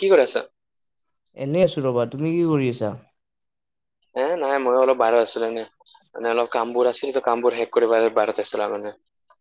কি কৰি আছা? এনেই আছোঁ ৰ'বা। তুমি কি কৰি আছা? এ নাই মইয়ো অলপ বাহিৰ আছিলো এনেই। মানে অলপ কামবোৰ আছিলে ত কামবোৰ শেষ কৰিবলে বাহিৰত আছিলো মানে। [unintelligible]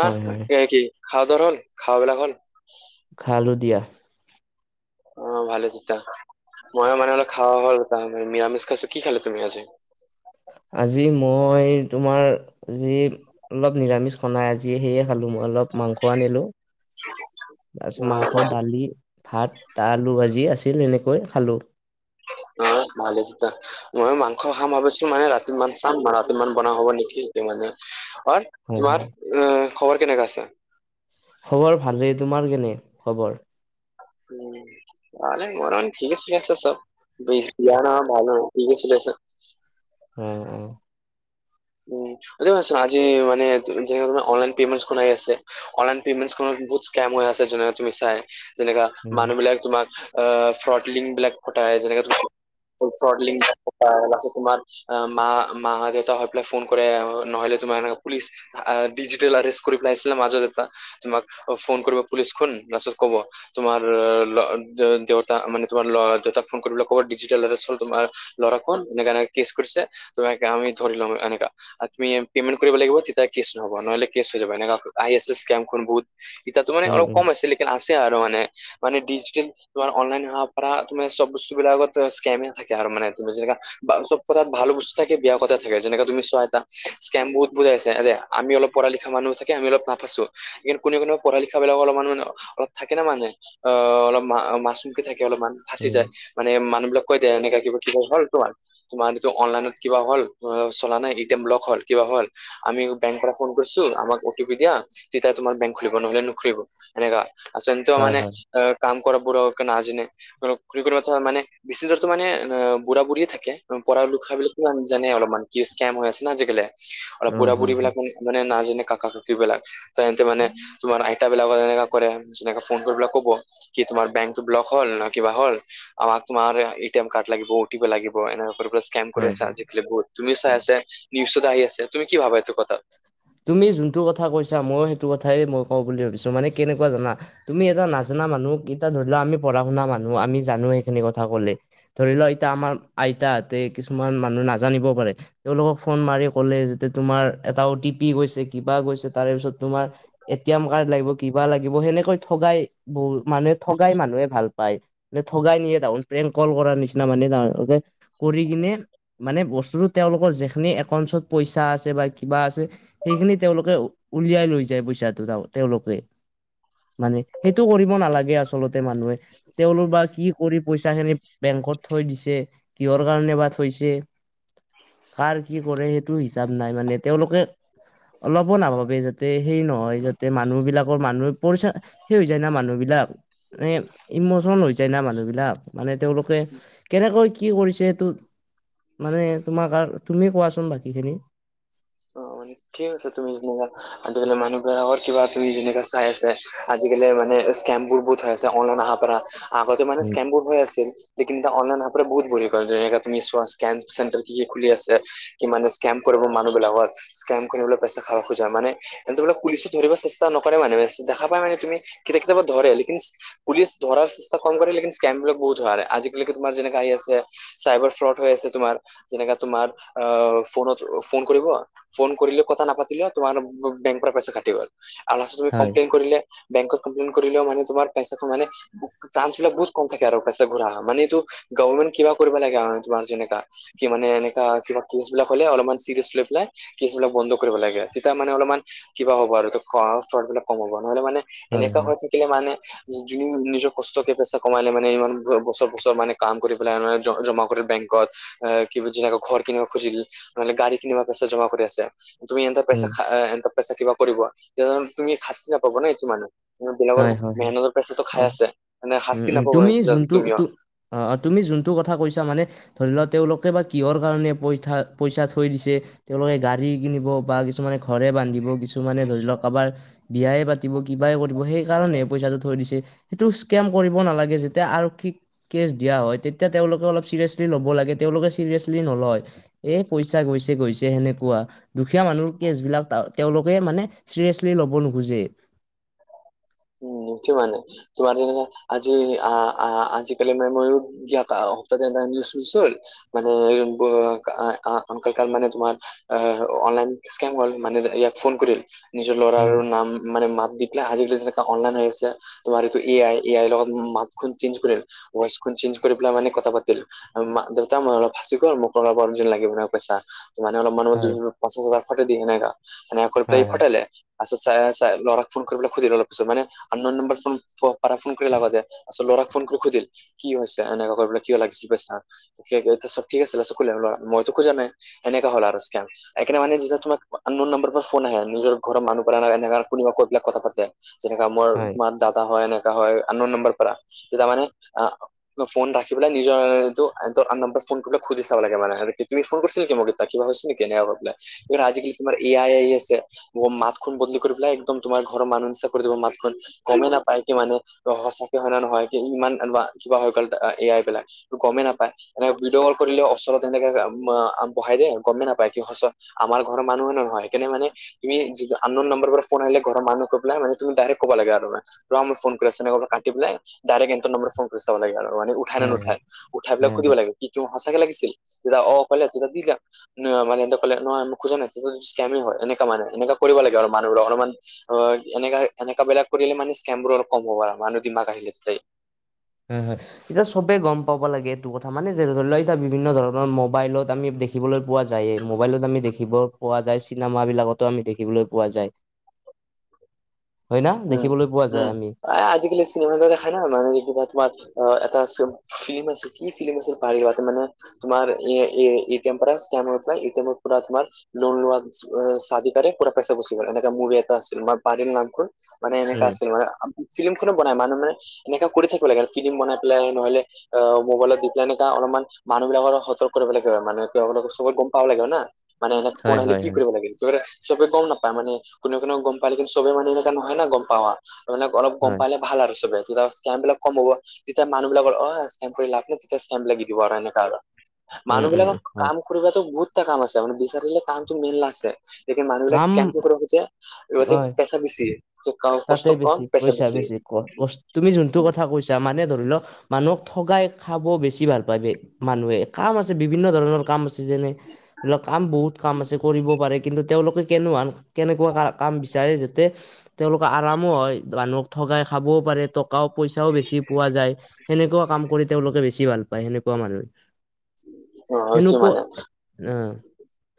হয় হয় এ কি খোৱা [unintelligible] দাৰ হল খোৱাবিলাক হ'ল? খালো দিয়া। অঁ ভালে হৈছে দিয়া। ময়ো মানে [unintelligible] হলে খোৱা মানে নিৰামিষ খাইছো। কি খালে তুমি আজি? আজি মই তোমাৰ আজি অলপ নিৰামিষ খোৱা নাই আজি সেয়ে খালো মই অলপ মাংস আনিলোঁ [unintelligible] অ তাৰপিছত মাংস, দালি, ভাত, আলু ভাজি আছিল এনেকৈ খালোঁ। অঁ ভাল হৈছে দিয়া [unintelligible] মই মাংস খাম ভাবিছো মানে ৰাতি চাম আৰু ৰাতিমান বনোৱা হ'ব নেকি সেইটো মানে [unintelligible] হয় হয় তোমাৰ অ খবৰ কেনেকা আছে? খবৰ ভালেই। তোমাৰ কেনে খবৰ? উম ভে মৰম ঠিকে চলি আছে চব বিয়া ন ভাল ঠিকে চলি আছে উম উম উম হলে হইছোন আজি মানে যোনে যোনে অনলাইন প্ৰেমেন কৰাই আছে অনলাইন প্ৰেমেণ খনত বহুত স্কেম হৈ আছে যোনে তুমি চাই যেনেকা উম মানুহবিলাক তোমাক ফ্ৰডলিংক বিলাক পঠাই যেনেকা ফ্ৰডলিংক বোৰ পঠাই লাষ্টত তোমাৰ মা মা- দেউতাহত ফোন কৰে নহলে তোমাৰ এনেকা পুলিচ ডিজিটেল এৰেষ্ট কৰি পাইছিল পেলাইছিল মাজত এটা তোমাক ফোন কৰিব পুলিচফোন লাষ্টত ক'ব তোমাৰ ল দেউতা মানে তোমাৰ ল'ৰা দেউতাক ফোন কৰিব ক'ব ডিজিটেল এৰেষ্ট হল তোমাৰ ল'ৰা কোন এনেকা অনেকা কেচ কৰিছে তো আমি ধৰি লোওগে এনেকা তুমি পেমেণ্ট কৰিব লাগিব তেতিয়া কেচ নহব নহ'লে কেচ হৈ যাব এনেকা আই এছ এ স্কেম্ বহুত এতিয়াতো মানে উম অলপ উম কম আছে লেকিন আছে আৰু মানে মানে ডিজিটেল তোমাৰ অনলাইন হোৱা পৰা তোমাৰ চব বস্তু বিলাকত স্কেমে থাকে আৰু মানে তুমি যেনেকা বা চব কথাত ভাল বস্তু থাকে বেয়া কথা থাকে যেনেকা তুমি চোৱা এটা স্কেম বহুত ওলাইছে আৰে আমি অলপ পঢ়া লিখা মানুহ থাকে আমি অলপ নাফছো কি কোনে কোনে পঢ়া লিখা বিলাকৰ অলপমান মানে অলপ থাকে ন মানে অ অলপ মা মাছমুখি থাকে অলপমান ফাচি উম যায় মানে মানুহ বিলাক কৈ দে এনেকা কিবা কিবা হল তোমাৰ তোমাৰটো যিটো অনলাইনত কিবা হ'ল চলা নাই এতিয়া ব্লক হল কিবা হ'ল আমি বেংকৰ পৰা ফোন কৰিছো আমাক অ টি পি দিয়া তেতিয়া তোমাৰ বেংক খুলিব নহলে নুখুলিব এনেকা আছেন তু হয় মানে হয় অ কাম কৰা পোৰা আজি নে খৰি কথা মানে বেছি দূৰতো মানেহ বুঢ়া- বুঢ়ীয়ে থাকে পঢ়া লিখাবিলাকো জানে অলপমান কিচ কাইম হৈ আছে না আজিকালি অলপ অ হয় বুঢ়-বুঢ়ী বিলাক মানে নাজানে কাক কাক কি বিলাক তেহেতে মানে তোমাৰ আইতা বিলাকৰ যেনেকা কৰে তেনেকা ফোন কৰিপেলাই ক'ব কি তোমাৰ বেংক টো ব্লক হল না কিবা হ'ল আমাক তোমাৰ এ টি এম কাৰ্ড লাগিব অ টি পি লাগিব এনেকা স্কেম কৰি হয় আছা আজিকালি বহুত তুমিও হয় চাই আছা নিউজএটা আহি আছে, তুমি কি ভাবা এইটো কথাত? তুমি যোনটো কথা কৈছা ময়ো সেইটো কথাই মই কওঁ বুলি ৰখিছোঁ মানে কেনেকুৱা জানা তুমি এটা নাজানা মানুহ এতিটা ধৰি লোৱা আমি পঢ়া শুনা মানুহ আমি জানো সেইখিনি কথা কলে ধৰিলোৱা এতিয়া আমাৰ আইতাহতে কিছুমান মানুহ নাজানিব পাৰে তেওঁলোকক ফোন মাৰি কলে যেতিয়া তোমাৰ এটা অ টি পি গৈছে কিবা গৈছে তাৰে পিছত তোমাৰ এটি এম কাৰ্ড লাগিব কিবা লাগিব সেনেকৈ ঠগাই বহু মানুহে ঠগাই মানুহে ভাল পায় ঠগাই নিয়ে তামনে প্রেংক কল কৰাৰ নিচিনা মানে তেওঁলোকে কৰি কিনে মানে বস্তুতো তেওঁলোকৰ যিখিনি একাউন্টছত পইচা আছে বা কিবা আছে সেইখিনি তেওঁলোকে উ উলিয়াই লৈ যায় বুইচা তেওঁলোকে মানে সেইটো কৰিব নালাগে আচলতে মানুহে তেওঁলোক বা কি কৰি পইচা খিনি বেংকত থৈ দিছে কিহৰ কাৰণে বা থৈছে, কাৰ কি কৰে সেইটো হিচাপ নাই মানে তেওঁলোকে অলপো নাভাবে যাতে সেই নহয় যাতে মানুহ বিলাকৰ মানুহে পৰিচা শেষ হৈ যায় না মানুহ বিলাক মানে ইমচন হৈ যায় না মানুহ বিলাক মানে তেওঁলোকে কেনেকৈ কি কৰিছে এইটো মানে তোমাক আৰু তুমি কোৱাচোন বাকী খিনি অ মানে ঠিক কৈছা তুমি যোনবিলাক আজিকালি মানুহ বিলাকৰ কিবা তুমি যেনেকা চাই আছে আজিকালি মানে স্কেম বোৰ বহুত হৈ আছে অনলাইন অহাৰ পৰা আগতে মানে উম স্কেমবোৰ হৈ আছিল লেকিণ অনলাইন অহা পৰা বহুত বোৰী কৰে যেনেকা তুমি চোৱা স্কেন চেণ্ট্ৰেল কি কি খুলি আছে কি মানে স্কেম কৰিব মানুহ বিলাকত স্কেম কৰিবলৈ পইচা খাব খোজে মানে। হেতক মানে পুলিচো ধৰিব চেষ্টা নকৰে মানে দেখা পায় মানে তুমি কেতিয়া কেতিয়াবা ধৰে লেকিন। পুলিচ ধৰাৰ চেষ্টা কম কৰে লেকিন স্কেম বিলাক বহুত হয় আজিকালিক তোমাৰ যেনেকা আহি আছে। চাইবাৰ ফ্ৰড হৈ আছে তোমাৰ যেনেকা তোমাৰ আহ ফোনত ফোন কৰিব। ফোন কৰিলে কথা নাপাতিলে তোমাৰ বে পৰা পইচা কাটিব আৰু তুমি হয় কমপ্লেইন কৰিলে, বেকত কমপ্লেন কৰিলে মানে তোমাৰ পইচা মানে, চান্স বিলাক বহুত কম থাকে আৰু পইচা ঘূৰা মানে এইটো, গভমেণ্ট কিবা কৰিব লাগে আৰু তোমাৰ যেনেকা, কি মানে এনেকা কিবা কেছ বিলাক হ'লে অলপমান চিৰিয়াছ লৈ পেলাই। কেচবিলাক বন্ধ কৰিব লাগে তেতিয়া মানে অলপমান কিবা হ'ব আৰু খৰচ বিলাক কম হ'ব নহ'লে মানে। হয় এনেকা হয় হৈ থাকিলে মানে। য নিজৰ কষ্টকে পইচা কমালে মানে ইমান বছৰ বছৰ মানে কাম কৰি পেলাই মে জমা কৰিলে বেংকত, আহ কি যেনেকে ঘৰ কিনিবা খুজিল মানে গাড়ী কিনিব পইচা জমা আছে তুমি এ পইচা উম এ পইচা কিবা কৰিব তে তুমি শাস্তি নাপাবা নে এইটো মানুহ, বিলাকৰ হয় হয় মেহনতৰ পেচাটো খাই অ আছে মানে উম, শাস্তি উম, নাপাব তুমি যোনটো তুমিও, তু অ অ তুমি যোনটো কথা কৈছা মানে, ধৰি লোৱা তেওঁলোকে বা কিহৰ কাৰণে পই পইচা থৈ দিছে। তেওঁলোকে গাড়ী কিনিব বা কিছুমানে, ঘৰে বান্ধিব কিছুমানে ধৰি লওক কাবাৰ বিয়াই পাতিব কিবা ই ত সেই কাৰণে পইচাটো থৈ দিছে সেইটো স্কেম কৰিব নালাগে যেতিয়া আৰক্ষীক, কেছ দিয়া হয় তেতিয়া তেওঁলোকে অলপ চিৰিয়েচলি ল'ব লাগে তেওঁলোকে চিৰিয়েচলি নলয়। এ পইচা গৈছে গৈছে সেনেকুৱা। দুখীয়া মানুহৰ কেচ বিলাক তেওঁলোকে মানে চিৰিয়েচলি লব নোখোজে। উমঠি মানে তোমাৰ যে আজি আ আ আজি কালি মানে মইয়ো। [unintelligible] কাল মানে তোমাৰ, আহ অনলাইন স্কেম হ'ল মানে ইয়াক ফোন কৰিল। নিজৰ উম, ল'ৰাৰো নাম মানে মাত দি পেলাই হাজি যেনো অনলাইন হৈ আছে। তোমাৰ এইটো এ আই এ আইৰ লগত মাতখন চেঞ্জ কৰিল ভইচ চেঞ্জ কৰি পেলাই মানে কথা পাতিল। মা দেউতা মই অলপ ফাঁচি গ'ল মোক অলপ আৰজেন্ট লাগে মানে পইচা। মানে অলপ মন মত হয়, পঞ্চাছ হাজাৰ ফটাই দিয়ে এনেকা মান পাই হয়, হয়, ফটাই লাই, পাছত চ চ ল'ৰাক ফোন কৰি পেলাই সুধিলে অলপ পিছত মানে নম্বৰ ফোন, পাৰ ফোন কৰি লাগা দে আচল ল'ৰাক ফোন কৰি সুধিল কি হৈছে এনেকুৱা কাক কিয় লাগিছিল পইচা। [unintelligible] ঠিক আছে আৰু মইতো খোজা নাই এনেকা হ'ল আৰু স্কেম, একাৰে মানেতিয়া তোমাৰ আন্নন নন্বৰ পৰা ফোন আহে নিজৰ ঘৰ মানুহ কৰা ন এনে কোনোবা কতবিলাক কথা পাতে, যেনেকা মোৰ হয়, মাৰ দাদা হয় এনেকা হয় আন্নন নম্বৰ পৰা তেতিয়া তাৰমানে, ফোন ৰাখি পেল নিজ এইটো নম্বত ফোনলৈ খুজি চাব লাগে মানে তুমি ফোন কৰিছিল নেকি মোলে, বা কিবা হৈছিল নেকি কেনেকা পেলাই, আজিকালি তোমাৰ এ আই আহি আছে মাতখন বদলি কৰি পেলাই একদম তোমাৰ ঘৰৰ মানুহ, কৰি দিব মাতখন। গমেই নাপায় কি মানে সঁচাকে হয় না নহয় কি ইমান কিবা হৈ গ'ল এ আই বিলাক। গমেই নাপায় এনেকে ভিডিঅ'কল কৰিলে অচলতে এনেকে বহাই দিয়ে গমেই নাপায় কি সঁচা, আমাৰ ঘৰৰ মানুহে নহয় সেইকাৰনে মানে আমি আন্নন নম্বৰ পৰা ফোন আহিলে ঘৰ মানুহে পেলাই মানে, তুমি ডাইৰেক্ ক'ব লাগে আৰুাৰ ফোন কৰি আছো কাটি পেলাইৰে্ট এটা নম্বৰ ফোন কৰি চাব লাগে আৰু মানে, উঠাই নে হয়, হয়, নুঠাই উঠাই পেলাক হয়। সুধিব লাগে কি তোমাক সঁচাকে লাগিছিল তেতিয়া অ কলে তেতিয়া দি যাম। মানে এনে কলে নহয় খোজিব নাই স্কেমে হয় মানে এনেকা কৰিব লাগে মানুহৰ অলমান, অ এনেকা এনেকা বিলাক কৰিলে মানে স্কেম বোৰ অলপ কম হ'ব আৰু মানুহ দিমাক আহিলে তাতেই হয় হয় এতিয়া চবে গম পাব লাগে এইটো কথা মানে যেনে ধৰি লোৱা এতিয়া বিভিন্ন ধৰণৰ মোবাইলত আমি দেখ দেখিবলৈ পোৱা যায়ে মোবাইলত আমি দেখিব পোৱা যায় চিনেমাবিলাকতো আমি দেখিবলৈ পোৱা যায় [inaudible] হয় না উম দেখিবলৈ পোৱা যায় উম আমি আজিকালি চিনেমাতে দেখা না মানুহ গিত [unintelligible] তোমাৰ অ এটা ফিল্ম আছিল কি ফিল্ম আছিল পাৰিলোৱাত মানে তোমাৰ এ এ এটিএম পৰা স্কেমৰ পৰা এটিএম পৰা তোমাৰ লোন লোৱা চাদি কৰে পোৰা পইচা গুছি গ'ল এনেকা মোভি এটা আছিল মই পাৰিল নামটো মানে এনেকা উম আছিল মানে ফিল্মিখনো বনাই মানুহে মানে এনেকা কৰি থাকিব লাগে ফিল্ম বনাই পেলাই নহলে অ মোবাইলত দি পেলাই এনেকা অলমান মানুহ বিলাকৰ সতৰ্ক কৰিব লাগিব মানে তেওঁলোকো চবত গম পাব লাগিব না মানে এনেক ফোন আহিলে কি কৰিব লাগিল চবেৰে চবে গম নাপায় মানে কোনে কোনে গম পালে কিন্তু চবে মানে এনে নহয় না গম পাৱা মানে অলপ গম হয় পালে ভাল আৰু চবে তেতিয়া স্কেমবিলাক কম হ'ব তেতিয়া মানুহ বিলাকৰ অ স্কেম কৰি লাভ তেতিয়া স্কেমবিলাক এৰি দিব আৰু এনেকা আৰু উম মানুহ উম বিলাকক উম কাম কৰিবাতো বহুটা কাম আছে মানে বিচাৰিলে কামতো মেইনলা আছে মানুহবিলাক কাম স্কেন কৰিব খোজো অ গোটেই পেচা গুচি যায় তাতে বেছি পইছা বেছি ক কচ তুমি যোনটো কথা কৈছা মানে ধৰি লওক মানুহক ঠগাই খাব বেছি ভাল পায় বে মানুহে কাম আছে বিভিন্ন ধৰণৰ কাম আছে যেনে ধৰি লওক কাম বহুত কাম আছে কৰিব পাৰে কিন্তু তেওঁলোকে কেনোৱান কেনেকুৱা কা কাম বিচাৰে যাতে তেওঁলোকৰ আৰামো হয় মানুহক থগায় খাবও পাৰে টকাও পইচাও বেছি পোৱা যায় সেনেকুৱা কাম কৰি তেওঁলোকে বেছি ভাল পায় সেনেকুৱা মানুহ অ কি হেনেকু মানে আহ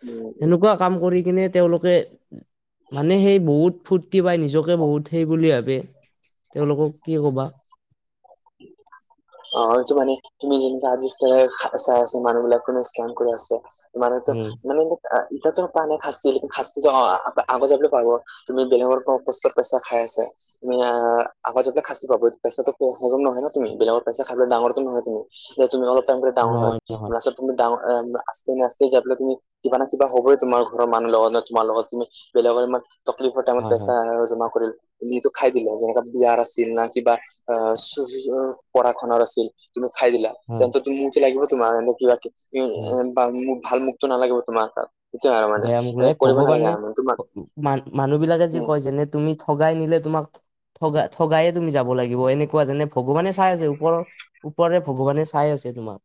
উম হেনেকুৱা কাম কৰি কিনে তেওঁলোকে মানে সেই বহুত ফূৰ্তি পায় নিজকে বহুত সেই বুলি ভাবে তেওঁলোকক কি কবা অ হয়টো মানে তুমি যেনেকা চাই আছে মানুহ বিলাক কোনো স্কেম কৰি আছে মানেতো উম মানে ইতাতো পোৱা নাই শাস্তি শাস্তিটো আগত যাবলৈ পাব তুমি বেলেগৰ পৰা কষ্টৰ পইচা খাই আছা তুমি আহ [unintelligible] আগজাগলে খাচী পাব পেচাটো হজম নহয় ন তুমি বেলেগত পইচা খাবলৈ ডাঙৰটো নহয় তুমি যে তুমি অলপ টাইম কৰি ডাঙৰ হয় নহয় নহয় লাষ্টত তুমি ডাঙৰ আচতে না আচতে যাবলৈ তুমি কিবা না কিবা হবই তোমাৰৰ মানুহ লগত ন তোমাৰ লগত তুমি বেলেগৰ ইমান তকলিফৰ টাইমত হয় পইচা হয় জমা কৰিল তুমিটো খাই দিলে যেনেকা বিয়াৰ আছিল না কিবা অ চ পঢ়া-শুনাৰ আছিল তুমি খাই দিলা হয় তেন্তে তুমিও মোৰটো লাগিব তোমাৰ এনে উম কিবা ভাল মুখটো নালাগিব তোমাৰ তাত সেইটোয়ে আৰু মানে বেয়া মোক এনে লাগে কৰিব নালাগে ভগৱানে আৰু মানে তোমাক মান মানুহ বিলাকে যে উম কয় যেনে তুমি ঠগাই নিলে তোমাক ঠগা ঠগায়ে তুমি যাব লাগিব এনেকুৱা যোনে ভগৱানে চাই আছে ওপৰৰ ওপৰে ভগৱানে চাই আছে তোমাক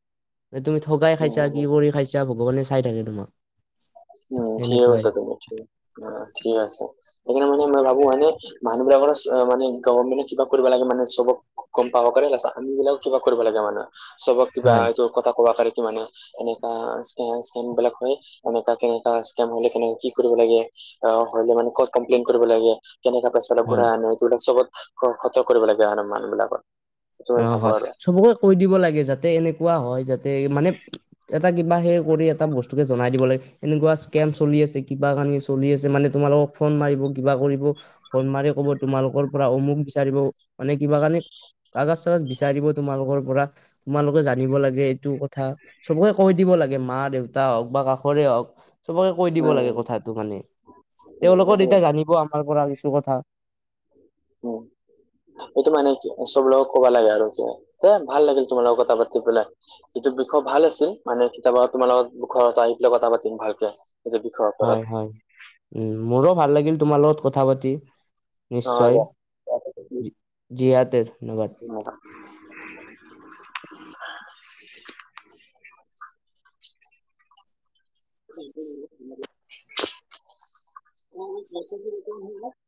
এই তুমি ঠগাই খাইছা কি উম কৰি খাইছা ভগৱানে চাই থাকে তোমাক উম ঠিকে সেনেকুৱাই আছা তুমি অ ঠিক আছে সেইকাৰণে মানে মই ভাবো মানে মানুহ বিলাকৰো মানে গভমেণ্টে কিবা কৰিব লাগে মানে চবক গম পাব কাৰণে লাষ্টত আমি বিলাকও কিবা কৰিব লাগে মানে চবক কিবা হয় এইটো কথা কবা কাৰাৰে কি মানে এনেকা স্কেন বিলাক হয় এনেকা কেনেকা স্কেম হলে কেনে কি কৰিব লাগে, অ হলে মানে ক'ত কমপ্লেইন কৰিব লাগে কেনেকা পেচাল হয় ঘূৰাই আনে এইবিলাক চবত খ', -খৰছো কৰিব লাগে আৰু মানুহ বিলাকত', অ', হয়, চবকে কৈ দিব লাগে যাতে এনেকুৱা হয় যাতে এই মানে', এটা কিবা সে কৰি এটা বস্তু কে জনাই দিব লাগে, এনেকুৱা স্কেম চলি আছে কিবা কাৰণে চলি আছে মানে তোমালোকক', ফোন মাৰিব কিবা কৰিব, ফোন মাৰি ক'ব তোমালোকৰ পৰা অমুক বিচাৰিব, মানে কিবা কাৰণে', কাগজ - চাগজ বিচাৰিব তোমালোকৰ পৰা, তোমালোকে জানিব লাগে এইটো কথা', চবকে কৈ দিব লাগে মা দেউতা হওঁক বা কাষৰে হওঁক', চবকে কৈ দিব উম লাগে উম কথাটো মানে, তেওঁলোকে সেইটোৱে তেতিয়া জানিব আমাৰ পৰা কিছু কথা', উম', এইটো মানে কি, চবৰ লগক কবা লাগে আৰু কি, দেই ভাল লাগিল তোমাল লগত কথা পাতি পেলাই', এইটো বিষয় ভাল আছিল, মানে কেতিয়াবা তোমাৰ লগত ঘৰত আহি পেলাই কথা পাতিম ভালকে, এইটো বিষয়', হয়', - হয়', উম', মোৰো ভাল লাগিল তোমাৰ লগত কথা পাতি', নিশ্চয়, অ দিয়াতে ধন্যবাদ', [unintelligible] [unintelligible] এইটো ইম্পৰ্টেণ্ট হয় ধন্যবাদ, তোমাৰ মোক মেছেঞ্জাৰ ৰিপ'ৰ্ট নোসুধিলা',